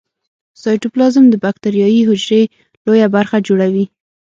سایتوپلازم د باکتریايي حجرې لویه برخه جوړوي.